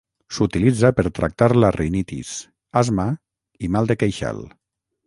S'utilitza per tractar la rinitis, asma i mal de queixal.